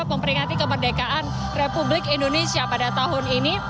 memperingati kemerdekaan republik indonesia pada tahun ini